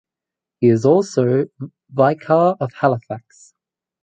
He was also vicar of Halifax.